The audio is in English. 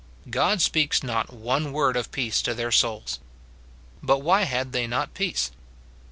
God speaks not one word of peace to their souls. But why had they not peace